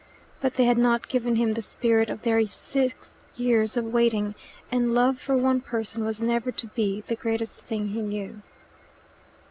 But they had not given him the spirit of their sit years of waiting, and love for one person was never to be the greatest thing he knew.